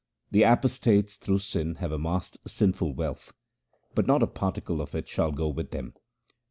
The apostates through sin have amassed sinful wealth, but not a particle of it shall go with them.